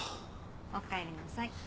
おかえりなさい。